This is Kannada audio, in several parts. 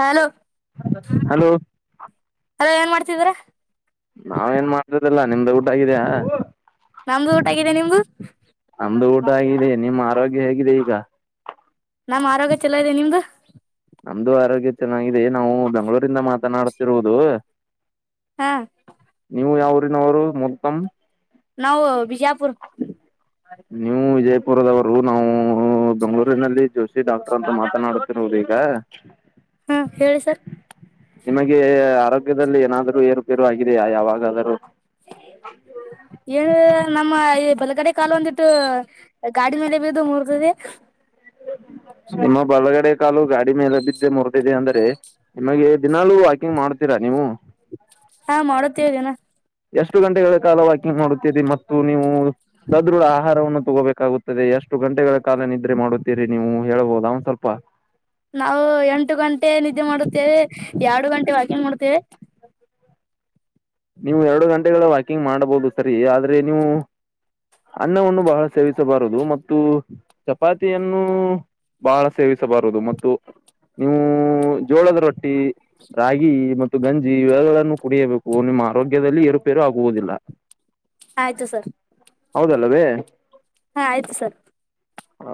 ಹಲೋ ಹಲೋ ಅದ ಏನ್ ಮಾಡ್ತಿದೀರೀ. ನಾವೇಏನ್ ಮಾಡ್ತದಿಲ್ಲ ನಿಮ್ದ ಊಟ ಆಗಿದ್ಯಾ. ನಮ್ದು ಊಟ ಆಗಿದೆ ನಿಮ್ದು. ನಮ್ದು ಊಟ ಆಗಿದೆ ನಿಮ್ಮ ಆರೋಗ್ಯ ಹೇಗಿದೆ ಈಗ. ನಮ್ಮ ಆರೋಗ್ಯ ಚಲೋ ಇದೆ ನಿಮ್ದು. ನಮ್ದು ಆರೋಗ್ಯ ಚೆನ್ನಾಗಿದೆ ನಾವು ಬೆಂಗಳೂರಿಂದ ಮಾತನಾಡ್ತಿರುವುದು. ಹಾ ನೀವು ಯಾವ್ರನ ಅವ್ರು ಮೊ್ದಮ ನಾವು ಬಿಜಾಪುರ್ ಹ ನೀವು ವಿಜಯಪುರದವರು ನಾವು ಬೆಂಗಳೂರಿನಲ್ಲಿ ಜೋಶಿ ಡಾಕ್ಟರ್ ಅಂತ ಮಾತನಾಡತಿೀರ ಅವ್ರಿಗೆ ಹಾ ಹಾ ಹೇಳಿ ಸರ್ ನಿಮಗೆ ಆರೋಗ್ಯದಲ್ಲಿ ಏನಾದ್ೂ ಏರುಪೇರು ಆಗಿದೆಯಾ ಯಾವಾಗಾದರೂ ಏ ನಮ್ಮ ಈ ಬಲಗಡೆ ಕಾಲ ಒಂದಿಟ್ಟು ಗಾಡಿ ಮೇಲೆ ಬಿದು ಮುರ್ತದೆ ಹ ನಿಮ್ಮ ಬಳಗಡೆ ಕಾಲು ಗಾಡಿ ಮೇಲೆ ಬಿದ್ದೆ ಮುರಿದಿದೆ ಅಂದ್ರೆ ನಿಮಗೆ ದಿನಲ್ಲೂ ವಾಕಿಂಗ್ ಮಾಡ್ತೀರಾ ನೀವು ಹ್ಞ ಹಾ ಮಾಡತ್ತೇವಗೇನಾ ಎಷ್ಟು ಗಂಟೆಗಳ ಕಾಲ ವಾಕಿಂಗ್ ಮಾಡುತ್ತಿದೆ ಮತ್ತು ನೀವು ಸದೃಢ ಆಹಾರವನ್ನು ತಗೋಬೇಕಾಗುತ್ತದೆ ಷ್ಟು ಗಂಟೆಗಳ ಕಾಲ ನಿದ್ರೆ ಮಾಡುತ್ತೀರಿ ನೀವು ಹೇಳ್ಬೋದ ಅವನ್ ಸ್ವಲ್ಪ ನಾವು ಎಂಟು ಗಂಟೆ ನಿದ್ದೆ ಮಾಡುತ್ತೇವೆ ಎರಡು ಗಂಟೆ ಹ ಮಾಡ್ತೇವೆ ನೀವು ಎರಡು ಗಂಟೆಗಳ ವಾಕಿಂಗ್ ಮಾಡ್ಬಹುದು ಸರಿ ಆದ್ರೆ ನೀವು ಅನ್ನವನ್ನು ಬಹಳ ಸೇವಿಸಬಾರದು ಮತ್ತು ಚಪಾತಿಯನ್ನು ಬಹಳ ಸೇವಿಸಬಾರದು ಮತ್ತು ನೀವು ಜೋಳದ ರೊಟ್ಟಿ ರಾಗಿ ಮತ್ತು ಗಂಜಿ ಇವೆಗಳನ್ನು ಕುಡಿಯಬೇಕು ನಿಮ್ಮ ಮ್ಯದಲ್ಲಿ ಏರುಪೇರು ಆಗುವುದಿಲ್ಲ ಆಯ್ತು ಸರ್ ಹೌದಲ್ಲವೇ ಹಾ ಆಯ್ತು ಸರ್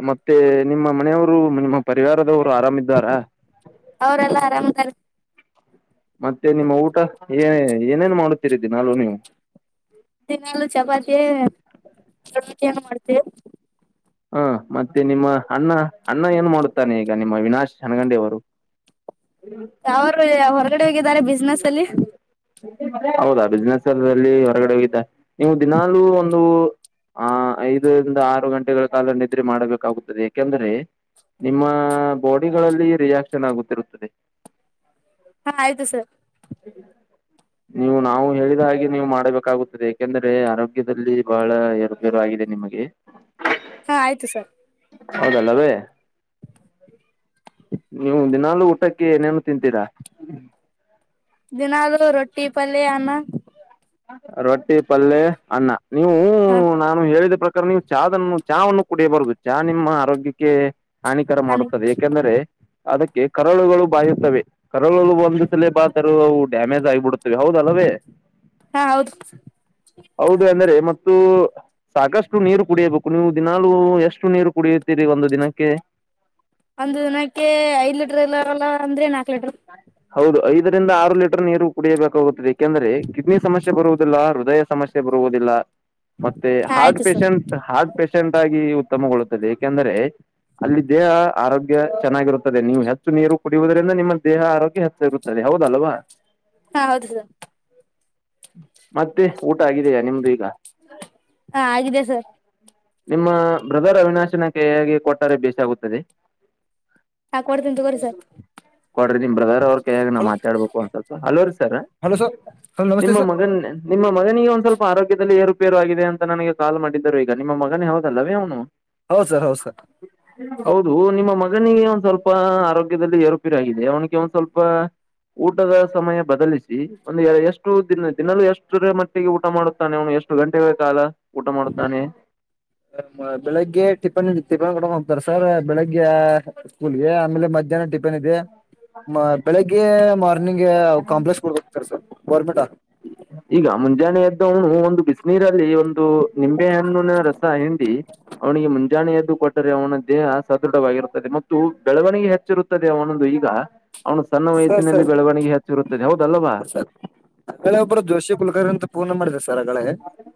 ಮತ್ತೆ ನಿಮ್ಮ ಮನೆಯವರು ನಿಮ್ಮ ಪರಿವಾರದವರು ಆರಾಮಿದ್ದಾರಾ ಅವರೆಲ್ಲ ಆರಾಮ್ದಾರ್ ಮತ್ತೆ ನಿಮ್ಮ ಊಟ ಏ ಏನೇನು ಮಾಡುತ್ತೀರಿದ್ದೀ ನಾಾಲು ನೀವು ದಿನಲ್ಲೂ ಚಪಾತಿ ಗಣಟಿಯನ್ನು ಮಾಡ್ತೇವಿ ಹಾ ಮತ್ತೆ ನಿಮ್ಮ ಅಣ್ಣ ಅಣ್ಣ ಏನು ಮಾಡುತ್ತಾನೆ ಈಗ ನಿ ವಿನಾಶ್ ಜನಗಂಡೆ ಅವರು ಯರು ಹೊರಗಡೆ ಹೋಗಿದ್ದಾರೆ ಬಿಸ್ನೆಸ್ ಅಲ್ಲಿ ಹೌದಾ ಬಿಸ್ಿನೆಸ್ ಅಲ್ಲಿ ಹೊರಗಡೆ ಹೋಗಿದ್ದೆ ನೀವು ದಿನಾಲೂ ಒಂದು ಆ ಐದರಿಂದ ಆರು ಗಂಟೆಗಳ ಕಾಲ ನಿದ್ರೆ ಮಾಡ್ಬೇಕಾಗುತ್ತದೆ ಯಾಕೆಂದ್ರೆ ನಿಮ್ಮ ಬಾಡಿಗಳಲ್ಲಿ ರಿಯಾಕ್ಷನ್ ಆಗುತ್ತಿರುತ್ತದೆ ಹಾ ಆಯ್ತು ಸರ್ ಹ್ಮ್ ನೀವು ನಾವು ಹೇಳಿದ ಹಾಗೆ ನೀವು ಮಾಡಬೇಕಾಗುತ್ತದೆ ಯಾಕೆಂದ್ರೆ ಆರೋಗ್ಯದಲ್ಲಿ ಬಹಳ ಎಏರುಬೇರು ಆಗಿದೆ ನಿಮಗೆ ಹಾ ಆಯ್ತು ಸರ್ ಹೌದಲ್ಲವೇ ನೀವು ದಿನಾಲು ಊಟಕ್ಕೆ ಏನೇನು ತಿಂತೀರಾ ದಿನದು ರೊಟ್ಟಿ ಪಲ್ ಅನ್ನ ರೊಟ್ಟಿ ಪಲ್ೆ ಅನ್ನ ನೀವು ಹಾ ನಾನು ಹೇಳಿದ ಪ್ರ ನೀವು ಚನ್ನು ಚಹನ್ನು ಕುಡಿಯಬರುದು ಚಹ ನಿಮ್ಮ ಆರೋಗ್ಯಕ್ಕೆ ಹಾನಿಕರ ಹನಿ ಮಾಡುತ್ತದೆ ಯಾಕೆಂದ್ರೆ ಅದಕ್ಕೆ ಕರಳುಗಳು ಬಾಯುತ್ತವೆ ಕರಳುಗಳು ಒಂದು ಸಲ ಬಾತರವು ಡ್ಯಾಮೇಜ್ ಆಗಿಬಿಡ್ುತ್ತವೆ ಹೌದು ಅಲವೇ ಹಾ ಹೌದು ಹೌದು ಅಂದ್ರೆ ಮತ್ತು ಸಾಕಷ್ಟು ನೀರು ಕುಡಿಯಬೇಕು ನೀವು ದಿನಾಾಲೂ ಎಷ್ಟು ನೀರು ಕುಡಿಯುತ್ತೀರಿ ಒಂದು ದಿನಕ್ಕೆ ಒಂದು ದಿನಕ್ಕೆ ಐದ್ ಲೀಟರ್ಲ್ಲಲ್ಲ ಅಂದ್ರೆ ನಾಕ್ ಲೀಟರ್ ಹೌದು ಐದರಿಂದ ಆರು ಲೀಟರ್ ನೀರು ಕುಡಿಯಬೇಕಾಗುತ್ತದೆ ಾಕೆಂದ್ರೆ ಕಿಡ್ನಿ ಸಮಸ್ಯೆ ಬರುವುದಿಲ್ಲ ಹೃದಯ ಸಮಸ್ಯೆ ಬರುವುದಿಲ್ಲ ಮತ್ತೆ ಹಾ ಹಾರ್ಟ್ ಆಯ್ತು ಸರ್ ಪಷಂಟ್ ಹಾರ್ಟ್ ಪಷೆಂಟ್ ಆಗಿ ಉತ್ತಮಗೊಳ್ಳುತ್ತದೆ ಕೆಂದ್ರೆ ಅಲ್ಲಿ ದೇಹ ಆರೋಗ್ಯ ಚೆನ್ನಾಗಿರುತ್ತದೆ ನೀವು ಹೆ ಹೆಚ್ಚು ನೀರು ಕುಡಿಯುವುದರಿಂದ ನಿಮ್ಮ ದೇಹ ಆರೋಗ್ಯ ಹೆಚ್ಚಾಗಿರುತ್ತದೆ ಹೌದಲ್ವಾ ಹಾ ಹೌದುದು ಹ್ಮ ಮತ್ತೆ ಊಟ ಆಗಿದೆಯಾ ನಿಮ್ದು ಈಗ ಹಾ ಆಗಿದೆ ಸರ್ ನಿಮ್ಮ ಬ್ರದರ್ ಅವಿನಾಶನ ಕಯಾಗಿ ಕೊಟ್ಟರೆ ಬಸಾಗುತ್ತದೆ ಹಾಕ ಕೊಡ್ತಿ ತಗೋರಿ ಸರ್ ಕೊಡ್ರಿ ನಿಮ್ ಬ್ರದರ್ ಅವ್ರ ಕೈಯಾಗ ನಾ್ ಹಲೋ ಮಾತಾಡ್ಬೇಕು ಅಂದ ಸ್ವಲ್ಪ ಹಲೋ ರೀ ಸರ್ ಹಲೋ ಸರ್ ಹಲೋ ನಮಸ್ತೆ ನಿಮ್ಮ ಸರ್ ಮಗನ್ ನಿಮ್ಮ ಮಗನಿಗೆಗ ಒಂದ್ ಸ್ವಲ್ಪ ಆರೋಗ್ಯದಲ್ಲಿ ಏರುಪೇರು ಆಗಿದೆ ಅಂತ ನನಗೆ ಕಾಲ್ ಮಾಡಿದ್ದರು ಈಗ ನಿಮ್ಮ ಮಗನೇ ಹೋಗದಲ್ಲವೇ ಅವನು ಹೌ ಸರ್ ಹೌದು ಸರ್ ಹೌದು ನಿಮ್ಮ ಮಗನಿಗೆ ಒಂದ್ ಸ್ವಲ್ಪ ಆರೋಗ್ಯದಲ್ಲಿ ಏರುಪಿರಗಿದೆ ಅವನಿಗೆ ಒಂದ್ ಸ್ವಲ್ಪ ಊಟದ ಸಮಯ ಬದಲಿಸಿ ಒಂದು ಎಷ್ಟು ದಿನ ದಿನಲ್ಲೂ ಎಷ್ಟರ ಮಟ್ಟಿಗೆ ಊಟ ಮಾಡುತ್ತಾನೆ ಅವನು ಎಷ್ಟು ಗಂಟೆಗಳ ಕಾಲ ಊಟ ಮಾಡತಾನೆ ಹ ಬೆಳಗ್ಗೆ ಟಿಪ್ಪನ್ ಹ ಇಡತಿ ಕಡ್ ಹೋಗ್ತಾರೆ ಸರ್ ಬೆಳಗ್ಗೆ ಸ್ಕೂಲ್ಗೆ ಆಮೇಲೆ ಮಧ್ಯಾಹ್ನ ಟ ದೆ ಬೆಳಿಗ್ಗೆ ಮಾರ್ನಿಂಗ್ಗೆ ಕಾಂಪ್ಲೆಕ್ಸ್ ಕೊಡ್ಬೇಕ ಸರ್ರ್ ಗೌರ್ಮೆಂಟ್ ಆ ಹ್ಮ ಈಗ ಮುಂಜಾನೆ ಎದ್ದವನು ಒಂದು ಬಿಸಿನೀರಲ್ಲಿ ಒಂದು ನಿಂಬೆ ಹಣ್ಣಿನ ರಸ ಹಿಂಡಿ ಅವನಿಗೆ ಮುಂಜಾನೆ ಎದ್ದು ಕೊಟ್ಟರೆ ಅವನ ದೇಹ ಸದೃಢವಾಗಿರುತ್ತದೆ ಮತ್ತು ಬೆಳವಣಿಗೆ ಹೆಚ್ಚಿರುತ್ತದೆ ಅವನೊಂದು ಈಗ ಅವನು ಸಣ್ಣ ಸರ್ ವಯಸ್ಸಿನಲ್ಲಿ ಸರ್ ಬೆಳವಣಿಗೆ ಹೆಚ್ಚುಿರುತ್ತದೆ ಹೌದಲ್ಲವಾ ಅಳೆ ಒಬ್ಬರು ಜೋಶಿ ಕುುಲಕ ಅಂತ ಪೂರ್ಣ ಮಾಡ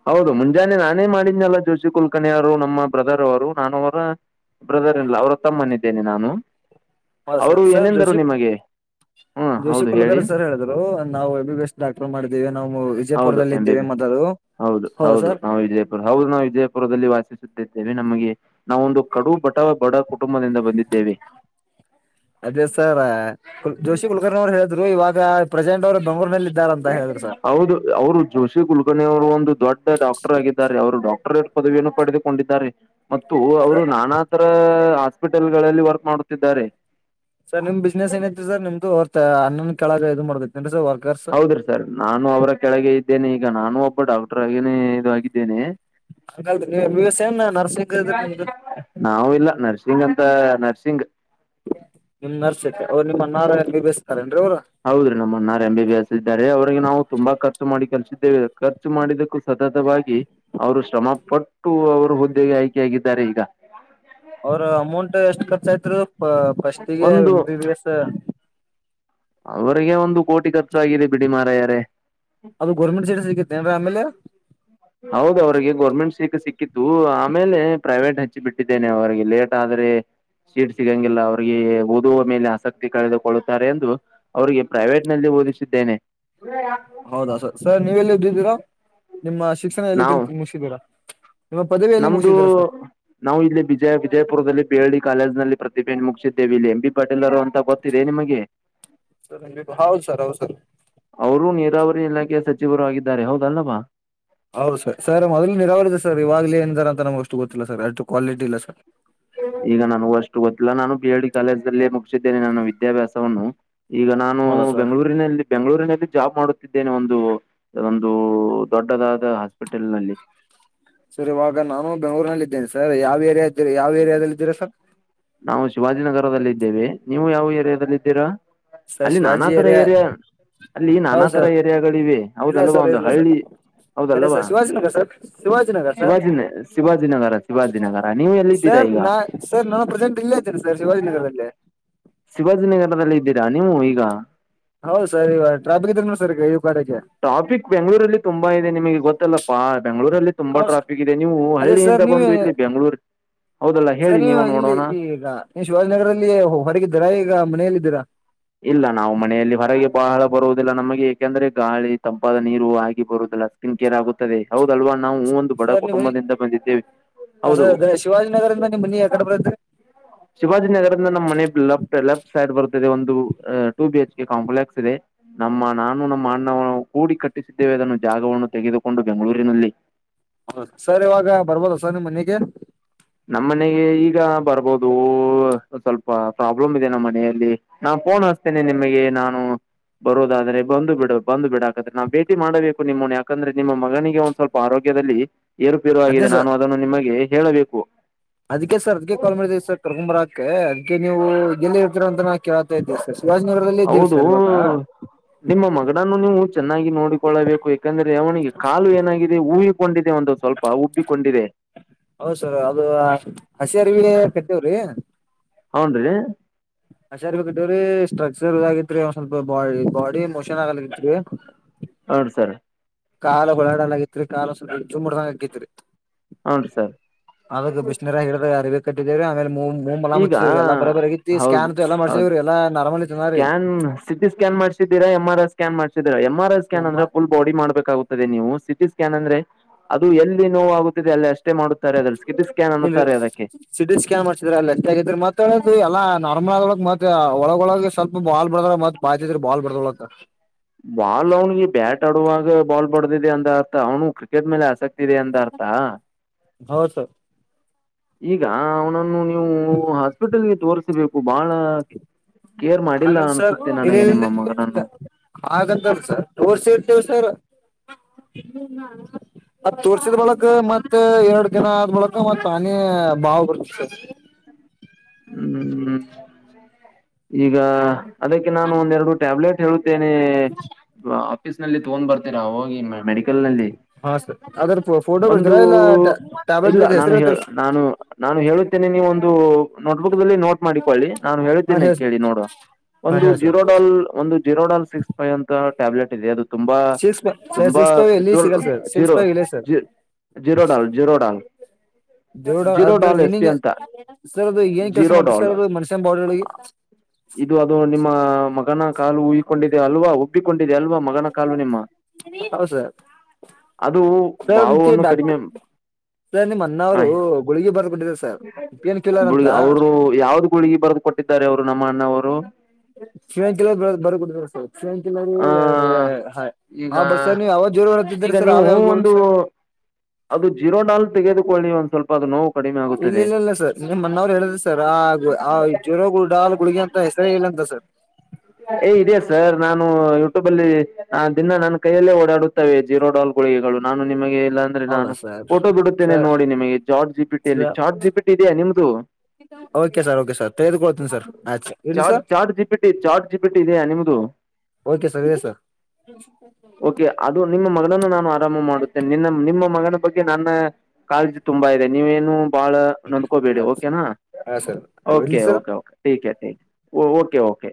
ಹೌದು ಮುಂಜಾನೆ ನಾನೇ ಮಾಡಿನನಲ್ಲ ಜೋಶ ಕುಲ್ಕಣಿಯರು ನಮ್ಮ ಬ್ರದರ್ ಅವರು ನಾನ ಅವರ ಬ್ರದರ್ ಎಲ್ಲ ಅವರ ತಮ್ಮನಿದ್ದೇನೆ ನಾನು ಹೌದು ಅವರು ಸರ್ ಸರ್ ಏನೆಂದರು ಜೋಶಿ ನಿಮಗೆ ಹ್ಮ್ ಜೋಶಿ ಹೌದು ಕುಲಗರ್ ಹೇಳಿ ಸರ್ ಹೇಳಿದ್ರು ನಾವು ಎ ಬಿ ಬೆಸ್ಟ್ ಡಾಕ್ಟರ್ ಮಾಡಿದೇವಿ ನಾವು ಹೌದು ವಿಜಯಪುರದಲ್ಲಿ ಎಂ ಬಿ ಇದ್ದೇವೆ ಬಿ ಮೊಲು ಹೌದು ಹೌದು ನಾವು ವಿಜಯಪುರ ಹೌದು ನಾವು ವಿಜಯಪುರದಲ್ಲಿ ವಾಸಿಸುತ್ತಿದ್ದೇವೆ ನಮಗೆ ನಾವೊಂದು ಕಡು ಬಟಾವ ಬಡ ಕುಟುಂಬದಿಂದ ಬಂದಿದ್ದೇವೆ ಅದೇ ಸರ್ಲ್ ಜೋಶಿ ಕುಲಕರ್ಣಿ ಅವ್ರು ಹೇಳಿದ್ರು ಇವಾಗ ಪ್ರಜಾಂಡ್ ಅವ್ರು ಬೆಂಗೂರ್ನಲ್ಲಿ ಹೌದು ಅವರು ಜೋಶಿ ಕುಲ್ಕಣಿ ಅವರು ಒಂದು ದೊಡ್ಡ ಡಾಕ್ಟರ್ ಆಗಿದ್ದಾರೆ ಅವರು ಡಾಕ್ಟ ಪದವಿಯನ್ನು ಪಡೆದುಕೊಂಡಿದ್ದಾರೆ ಮತ್ತು ಅವರು ನಾನಾ ತರ ಹಾಸ್ಪಿಟಲ್ಗಳಲ್ಲಿ ವರ್ಕ್ ಮಾಡುತ್ತಿದ್ದಾರೆ ಸರ್ ನಿಮ್ ಬಿಸ್ನೆಸ್ ಏನಐತಿ ಸರ್ ನಿಮ್ದುರ್ ಅ್ಣನ್ ಕಳ ಇದು ಮಾಡ್ನ್ ಸರ್ ವರ್ಕರ್ಸ್ ಹೌದ್ರಿ ಸರ್ ನಾನು ಅವರ ಕೆಳಗೆ ಇದ್ದೇನೆ ಈಗ ನಾನು ಒಬ್ಬ ಡಾಕ್ಟರ್ ಆಗನೇ ಇದ ಆಗಿದ್ದೇನೆ ಹಂಗಲ್ರಿ ನೀವ್ ಎಂ ಬಿ ಬಿ ಎಸ್ ಏನ್ ನರ್ಸಿಂಗ್ ಇದ್ರಿ ಹ ನಿಮ್ದು ನಾವು ಇಲ್ಲ ನರ್ಸಿಂಗ್ ಅಂತ ನರ್ಸಿಂಗ ನಿಮ್ ನರ್ಸೈತೆ ಅವ್ರು ನಿಮ್ಮ ನಾರ ಎಲ್ಲಿ ಬೇಸ್ತಾರೆ ಹೌದ್ರೀ ನಮ್ಮ ಅಣ್ಣಾರ ಎಂಬ ಬಿ ಎಸ್ ಇದ್ದಾರೆ ಅವ್ರಿಗೆ ನಾವು ತುಂಬಾ ಖರ್ಚ ಮಾಡಿ ಕಲ್ಸ ಖರ್ಚು ಮಾಡಿದ್ದಕ್ಕೂ ಸತತವಾಗಿ ಅವರು ಶ್ರಮ ಪಟ್ಟು ಅವರು ಹುದ್ದೆಗೆ ಆಯ್ಕೆಯಾಗ ಈಗ ಅವ್ರ ಅಮೌಂಟ್ ಎಷ್ಟ್ ಖರ್ಚಯತ್ರು ಫಸ್ಟ್ಗ ಎ್ ಬಿ ಬಿ ಎಸ್ ಅವ್ರರಿಗೆ ಒಂದು ಕೋಟಿ ಖರ್ಚು ಆಗಾಗಿದೆ ಬಿಡಿಮಾರ ಯಾರ ಅದು ಗೌರ್ಮೆಂಟ್ ಸೀರ್ ಸಿಗುತ್ತ ಏನ್ರ ಆಮೇಲೆ ಹೌದ ಅವಿಗೆ ಗೌರ್ಮೆಂಟ್ ಸೀಖ ಸಿಕ್ಕಿತ್ತು ಆಮೇಲೆ ಪ್ರೈವೇಟ್ ಹಚ್ಚಿ ಬಿಟ್ಟಿದ್ದೇನೆ ಅವರಿಗೆ ಲೇಟ್ ಆದ ಸ ಸೀಟ್ ಸಿಗಂಗಿಲ್ಲ ಅವ್ರಿಗೆ ಓದುವ ಮೇಲೆ ಆಸಕ್ತಿ ಕಳೆದುಕೊಳ್ಳುತ್ತಾರೆ ಎಂದು ಅವಿಗೆ ಪ್ರೈವೇಟ್ ನಲ್ಲಿ ಬೋಧಿಸಿದ್ದೇನೆ ಹೌದಾ ಸರ್ ಸರ್ ನೀವ ಎಲ್ಲಿದಿದ್ದೀರಾ ನಿಮ್ಮ ಶಿಕ್ಷಣ ಎಲ್ಲಿ ನಾವು ಕಳ್ತೀ ಮುಗಿದೀರಾ ನಮ್ದು ನಾವು ಇಲ್ಲಿ ಬಿಜಯ ವಿಜಯಪುರದಲ್ಲಿ ಬಿ ಎಲ್ಡಿ ಕಾಲೇಜ್ ನಲ್ಲಿ ಪ್ರತಿಭೆನ್ನು ಮುಗಿಸಿದ್ದೇವೆ ಇಲ್ಲಿ ಎಂ ಬಿ ಪಾಟೀಲ್ರು ಅಂತ ಗೊತ್ತಿದೆ ನಿಮಗೆ ಹೌದು ಸರ್ ಹೌದು ಸರ್ ಅವರು ನೀರಾವರಿ ಇಲಾಖೆಯ ಸಚಿವರು ಆಗಿದ್ದಾರೆ ಹೌದಲ್ಲವಾ ಹೌದು ಸರ್ ಸರ್ ಮೊದ್ಲು ನೀರಾವರಿ ಇದೆ ಸರ್ ಇವಾಗಲ ಏನಾರ ಅಂತ ನಮ್ಗೆ ಅಷ್ಟು ಗೊತ್ತಿಲ್ಲ ಸರ್ ಅಷ್ಟು ಕ್ವಾಲಿಟಿ ಇಲ್ಲ ಸರ್. ಈಗ ನನಗೂ ಅಷ್ಟು ಗೊತ್ತಿಲ್ಲ ನಾನು ಬಿ ಎಲ್ ಡಿ ಕಾಲೇಜ್ ಅಲ್ಲೇ ಮುಗಿಸಿದ್ದೇನೆ ನನ್ನ ವಿದ್ಯಾಭ್ಯಾಸವನ್ನು ಈಗ ನಾನು ಹೌದಾ ಸರ್ ಬೆಂಗಳೂರಿನಲ್ಲಿ ಬೆಂಗಳೂರಿನಲ್ಲಿ ಜಾಬ್ ಮಾಡುತ್ತಿದ್ದೇನೆ ಒಂದು ಒಂದು ದೊಡ್ಡದಾದ ಹಾಸ್ಪಿಟಲ್ ನಲ್ಲಿ ಸರ್ ಇವಾಗ ನಾನು ಬೆಂಗಳೂರಿನಲ್ಲಿ ಇದ್ದೇನೆ ಸರ್ ಯಾವ ಏರಿಯಾ ಇದ್ದೀರಿ ಯಾವ ಏರಿಯಾದಲ್ಲಿ ಇದ್ದೀರಾ ಸರ್ ನಾವು ಶಿವಾಜಿನಗರದಲ್ಲಿ ಇದ್ದೇವೆ ನೀವು ಯಾವ ಏರಿಯಾದಲ್ಲಿ ಇದ್ದೀರಾ ಸರ್ ಅಲ್ಲಿ ಶಿವಾಜಿ ನಾನತರ ಏರಿಯಾ ಅಲ್ಲಿ ನಾನಾ ಹೌದು ತರ ಸರ್ ಏರಿಯಾಗಳು ಇವೆ ಇಲ್ಲ ಹೌದಲ್ವಾ ಸರ್ ಒಂದು ಇಲ್ಲ ಸರ್ ಹಳ್ಳಿ ಕರೆ ಹೌದಲ್ಲವ sir Shivajinagar sir Shivajinagar sir ಶಿವಾಜಿನೆ ಶಿವಾಜಿನಗರ ಶಿವಾಜಿನಗರ ನೀವು ಎಲ್ಲಿ ಇದ್ದೀರಾ ಸರ್ ಈಗ ನಾ ಸರ್ ನಾನು ಪ್ರೆಸೆಂಟ್ ಇಲ್ಲೇ ಇದ್ದೇನೆ ಸರ್ ಶಿವಾಜಿನಗರದಲ್ಲಿ ಶಿವಾಜಿನಗರದಲ್ಲಿ ಇದ್ದೀರಾ ನೀವು ಈಗ ಹೌದು ಸರ್ ಇವಾಗ ಟ್ರಾಪಿಕ್ ಇದ್ರ ಸರ್ ಕಡೆಗೆ ಟ್ರಾಫಿಕ್ ಬೆಂಗಗಳೂರಲ್ಲಿ ತುಂಬಾ ಇದೆ ನಿಮಗೆ ಗೊತ್ತಲ್ಲಪ ಬೆಂಗಳೂರಲ್ಲಿ ತುಂಬಾ ಹೌದು ಸರ್ ಟ್ರಾಫಿಕ್ ಇದೆ ನೀವು ಹಳ್ಳಿಯಿಂದ ಬಂದು ಇಲ್ಲಿ ಬೆಂಗಳೂರು ಹೌದಲ್ಲ ಹೇಳಿ ಸರಿ ನೀವು ಇಲ್ಲಿ ನೋಡೋಣ ಈಗ ನೀವು ಶಿವಾಜನಗರಲ್ಲಿ ಹೊರಗಿದ್ದೀರಾ ಈಗ ಮನೆಲ್ಲಿದ್ದೀರಾ ಇಲ್ಲ ನಾವು ಮನೆಯಲ್ಲಿ ಹೊರಗೆ ಬಹಳ ಬರುವುದಿಲ್ಲ ನಮಗೆ ಏಕೆಂದ್ರೆ ಗಾಳಿ ತಂಪಾದ ನೀರು ಆಗಿ ಬರುವುದ್ ಲ್ಲ ಸ್ಕಿನ್ ಕೇರ್ ಆಗುತ್ತದೆ. ಹೌದಲ್ವಾ ನಾವು ಒಂದು ಬಡ ಸರ್ ನಿಮ್ಮ ಮನಿ ಕುಟುಂಬದಿಂದ ಬಂದಿದ್ದೇವೆ ಹೌದು ಸರ್ ಶಿವಾಜಿನಗರದಿಂದ ನಿಮ್ ಮನಿ ಯಾಕಡೆ ಬರತ್ರಿ ಶಿವಾಜಿನಗದಿಂದ ನಮ್ಮ್ ಮನೆ ಲೆಫ್ಟ್ ಲೆಫ್ಟ್ ಸೈಡ್ ಬರ್ತಿದೆ ಒಂದ್ two B H K complex ಇದೆ ನಮ್ಮ ನಾನು ನಮ್ಮ ಅಣ್ಣ ಕೂಡಿ ಕಟ್ಟಿಸಿದ್ದೇವೆ ಅದನ್ನು ಜಾಗವ ವನ್ನು ತೆಗೆದುಕೊಂಡು ಬೆಂಗಳೂರಿನಲ್ಲಿ ಹೌದ ಸರ್ ಇವಾಗ ಬರಬಹುದು ಸರ್ ನಿಮ್ ಮನೆಗೆ ಓ ಸ್ವಲ್ಪ ಪ್ರಾಬ್ಲಮ್ ಇದೆ ನಮ್ಮ ಮನೆಯಲ್ಲಿ ನಾನ್ ಪೋನ್ ಹಸ್ತೇನೆ ನಿಮಗೆ ನಾನು ಬರುದಾದ್ರೆ ಬಂದು ಬಿಡು ಬಂದು ಬಿಡಾಕತ್ತೆ ನಾವು ಭೇಟಿ ಮಾಡಬೇಕು ನಿಮ್ಮನ್ನು ಯಾಕಂದ್ರೆ ನಿಮ್ಮ ಮಗನಿಗೆ ಒಂದ್ ಸ್ವಲ್ಪ ಆರೋಗ್ಯ ದಲ್ಲಿ ಏರುಪೇರು ಅದೇ ಆಗಿದೆ ನಾನು ಸರ್ ಅದನ್ನು ನಿಮಗೆ ಹೇಳಬೇಕು. ಅದಕ್ಕೆ ಸರ್ ಅದಕ್ಕೆ ಕಾಲ್ ಮಾಡದೇ ಸರ್ ಕರಕೊಂಡ್ ಬರಾಕ ಅದಕ್ಕೆ ನೀವು ಎಲ್ಲಿ ಇರತ್ತೀರ ಅಂತ ನಾ ಕೇಳ್ತಾ ಇದ್ದೇ ಸ ಹೌದು ನಿಮ್ಮ ಮಗನನ್ನು ನೀವು ಚೆನ್ನಾಗಿ ನೋಡಿಕೊಳ್ಳಬೇಕು ಯಾಕಂದ್ರೆ ಅವನಿಗೆ ಕಾಲು ಏನಾಗಿದೆ ಹೂ ಸ್ವಲ್ಪ ಉಬ್ಬಿಕೊಂಡಿದೆ. ಹೌದ್ ಸರ್ ಅದು ಹಸಿರವಿ ಕತ್ತವ್ರಿ ಹೌನ್ರೀ ಹಸರ್ವಿ ಕಟ್ಟವ್ರೀ ಸ್ಟ್ರಕ್ಚರ್ ಇದಾಗಿತ್ರಿ ಒಂದ್ ಸ್ವಲ್ಪ ಬಾಡಿ ಬಾಡಿ ಮೋಷನ್ ಆಗಲಕ್ಕತ್ರಿ ಹ ಸರ್ ಕಾಲ ಗಳಾಡಲ ಆತ್ರಿ ಕಾಲ ಸು ಜುಂಮ ಹಿಡದಂಗ ಹಾಕತ್ರಿ ಹೌನ್ ಸರ್ ಆವಾಗ ಬಿಸಿನೀರಗ ಇಡ್ಡದೂ ಯರಿವಿಗೆ ಕಟ್ಟಿದೇವಿ ಆಮೇಲೆ ಮುವ್ ಮೂಲಮ್‌ ಈಗ ಹಚ್ಚಿದ್ವಿ ರೀ ಎಲ್ಲಾ ಬರ ಬರಿ ಆಗತಿ ಹೌದು ಸ್ಕ್ಯಾನ್ ಎಲ್ಲಾ ಹೌದು ಮಾಡ್ಸಿದಿವ್ರಿ ಎಲ್ಲಾ ನಾರ್ಮಲ್ ಐತ್ ಅನರೀ ಮಾಡಿಸಿದ್ದಿರಾ ಎಂ ಆರ್ ಐ ಸ್ಕ್ಯಾನ್ ಮಾಡಿಸಿದ್ದೀರಾ ಎಂ ಆರ್ ಐ ಸ್ಕ್ಯಾನ್ ಅಂದ್ರೆ ಪುಲ್ ಬಾಡಿ ಮಾಡಬೇಕಾಗುತ್ತದೆ ನೀವು ಸಿಟಿ ಸ್ ಸ್ಕ್ಯಾನ್ ಅಂದ್ರೆ ಅದು ಎಲ್ಲಿ ನೋವು ಆಗುತ್ತದೆ ಅಲ್ಲಿ ಅಷ್ಟ್ ಟೇ ಮಾಡುತ್ತಾರೆ ಅದರಲ್ಲಿ ಸಿಟಿ ಸ್ಕ್ಯಾನ್ ಇಲ್ರಿ ಅನ್ನುತ್ತಾರೆ ಅದಕ್ಕೆ ಸಿಟಿ ಸ್ಕ್ಯಾನ್ ಮಾಡ್ಸಿದ್ರ ಅಲ್ಲಿ ಅಷ್ಟ ಮತ್ತ ಹೇಳ ಎಲ್ಲಾ ನಾರ್ಮಲ್ ಆದೊಳಗ್ ಮತ್ತೆ ಒಳಗೊಳಗೆ ಸ್ವಲ್ಪ ಬಾಲ್ ಬೆಳದ್ದಾರೆ ಮತ್ ಬಾಲ್ ಬರ್ದೊಳಂತ ಬಾಲ್ ಅವನಿಗೆ ಬ್ಯಾಟ್ ಆಡುವಾಗ ಬಾಲ್ ಬಡದಿದೆ ಅಂದ ಅರ್ಥ ಅವನ್ನು ಕ್ರಿಕೆಟ್ ಮೇಲೆ ಆಸಕ್ತಿ ಇದೆ ಅಂತ ಅರ್ಥ ಹೌದ್ ಸರ್ ಈಗ ಅವನನ್ನು ನೀವು ಹಾಸ್ಪಿಟಲ್ಗೆ ತೋರಿಸಬೇಕು ಬಾಳ ಆಗಲ್ ಸರ್ ಇನೇನಿಲ್ಲ ಇಲ್ಲ ಮಗನನ್ನು ಹಾಗಂತ ಸರ್ ತೋರಸಿರ್ತೀವಿ ಸರ್ ಅದ್ ತೋರ್ಸಿದ್ ಬಳಕ ಮತ್ತೆ ಎರಡು ದಿನ ಆದ ಬಳಕ ಮತ್ ತಾನೇ ಬಾವು ಬರ್ತ್ ಸರ್ ಹ್ಮ್ ಈಗ ಅದಕ್ಕೆ ನಾನು ಒಂದೆರಡು ಟ್ಯಾಬ್ಲೆಟ್ ಹೇಳುತ್ತೇನೆ ಆಫೀಸ್ ನಲ್ಲಿ ತಗೊಂಡ್ ಬರ್ತೀರಾೋಗಿ ಮ ಮೆಡಿಕಲ್ ನಲ್ಲಿ ಹಾ ಸರ್ ಅದ್ರ ಫೋಟೋ ಒಂದು ಬಿಡ್ತೀರಾ ಇಲ್ಲ ಇಲ್ಲ ಟ್ಯಾಬ್ಲೆಟ್ ನಾನು ಹೆಸರು ಹೇಳ ಹೇಳ್ತೀರಾ ಸರ್ ನಾನು ನಾನು ಹೇಳುತ್ತೇನೆ ನೀವ ಒಂದು ನೋಟ್ಬುಕ್ ದಲ್ಲಿ ನೋಟ್ ಮಾಡಿಕೊಳ್ಳಿ ನಾನು ಹಾ ಹೇಳುತ್ತೇನೆ ಹೇಳಿ ಸರ್ ಕೇಳಿ ನೋಡುುವ ಹಾ ಒಂದು ಹೇಳಿ ಸರ್ ಜೀರೋ ಡಾಲ್ ಒಂದು ಜೀರೋ ಡಾಲ್ ಸಿಕ್ಸ್ ಫೈವ್ ಅಂತ ಟ್ಯಾಬ್ಲೆಟ್ ಇದೆ ಅದು ತುಂಬಾ ಸಿಕ್ಸ್ ಸರ್ ತುಂಬಾ ಸಿಕ್ಸ್ ಫೈವ್ ಎಲ್ಲಿ ಸಿಗಲ್ಲ ಸರ್ ಸಿಕ್ಸ್ ಜೀರೋ ಫೈವ್ ಇಲ್ಲ ಸರ್ ಜ ಜೀರೋ ಡಾಲ್ ಜೀರೋ ಡಾಲ್ ಜೋಡ ಜೀರೋ ಅದ್ರ ಡಾಲ್ ಎಸ್ಪಿ ಮೀನಿಂಗ್ ಅಂತ ಸರ್ ಅದು ಏನ್ ಕೆಲಸ ಜೀರೋ ಮಾಡ್ತದೆ ಡೌಲ್ ಸರ್ ಅದು ಮನುಷ್ಯನ ಬಾಡಿ ಒಳಗೆ ಇದು ಅದು ನಿಮ್ಮ ಮಗನ ಕಾಲು ಉಯಿಕೊಂಡಿದೆ ಅಲ್ವಾ ಉಬ್ಬಿಕೊಂಡಿದೆ ಅಲ್ವಾ ಮಗನ ಕಾಲು ನಿಮ್ಮ ಹೌದು ಸರ್ ಅದು ಸರ್ ಅದಕ್ಕೆ ಬಾವವನ್ನು ಕಡಿಮೆ ಡಾಕ್ಟರ್ ಸರ್ ನಿಮ್ಮ್ ಅನ್ನವ್ರು ಗುಳಗಿಗೆ ಬರ್ಬಿಟ್ಟಿದ್ದಾರೆ ಸರ್ ಇಪ್ಪಿನ್ ಗುಳಗಿ ಅವರು ಯಾವ್ದು ಗುಳಗಿ ಬರೆದು ಕೊಟ್ಟಿದ್ದಾರೆ ಅವ್ರು ನಮ್ಮ ಅಣ್ಣವರು ಬರಡರು ಸಕ್ಷಂಕಲವರು ಆ ಎರಡು ಈಗ ಬರ್ಸರ್ ನೀ್ ಯಾವಾಗ ಜೋರು ಹೊತ್ರ ಈಗ ಸರ್ ನೀವು ಅವ ಯಾವಾಗ ಒಂದು ಗೋಸರ್ ಅದು ಜೀರೋ ಡಾಲ್ ತೆಗೆದುಕೊಳ್ಳಿ ಒಂದ ಸ್ವಲ್ಪ ಅದು ನೋ ಇಲ್ಲ ಇಲ್ಲ ಇಲ್ಲ ಸರ್ ನಿಮ್ ಅನವ್ರು ಹೇಳಿದ್ರ ಸರ್ ಆ ಆ ಜೀರ ಗುಡಾ ಗುಡ್ಗಿ ಅಂತ ಹೆಸರೇ ಇಲ್ಲ ಅಂತ ಸರ್ ಹ [unintelligible] ಏ ಇದದೆ ಸರ್ ನಾನು ಯೂಟ್ಯೂಬ ಅಲ್ಲಿ ದಿನ ನಾನನ್ ಕೈಯಲ್ಲೇ ಓಡಾಡುತ್ತೇವೆ ಜೀರೋ ಡಾಲ್ ಗಳಿಗೆ ನಾನು ನಿಮಗೆ ಇಲ್ಲಾ ಅಂದ್ರೆ ಹೌದಾ ನಾನು ಸರ್ ಫೋಟೋ ಬಿಡುತ್ತೇನೆ ನೋಡಿ ನಿಮಗೆ ಜಾರ್್ ಜಿಪಿಟಿಿಯಲ್ಲಿ ಸರ್ ಜಾರ್ಜ್ ಜಿಪಿಟಿ ಇದೆಯಾ ನಿಮ್ದು ಓಕೆ ಸರ್ ಓಕೆ ಸರ್ ತೆಗೆದುಕೊಳ್ತೀನಿ ಸರ್ ಆೆ ಇಲ್ಲಿ ಸರ್ ಬಿಟ್ಟಿದೆಯಾ ನಿಮದು ಓಕೆ ಸರ್ ಇದೆ ಸರ್ ಓಕೆ ಅದು ನಿಮ್ಮ ಮಗಳನ್ನು ನಾವು ಆರಂಭ ಮಾಡುತ್ತೇನೆ ನಿನ್ನ ನಿಮ್ಮ ಮಗನ ಬಗ್ಗೆ ನನ್ನ ಕಾಳಜಿ ತುಂಬಾ ಇದೆ ನೀವೇನು ಬಾಳ ನಂದ್ಕೋಬೇಡಿ ಆಯ್ತು ಓಕೆನಾ ಹಾಂ sir okay idli sir okay okay okay okay